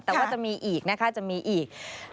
แต่ว่าจะมีอีกนะคะจะมีอีก